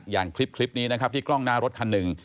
อย่างคลิปนี้นะครับที่กล้องหน้ารถคันหนึ่ง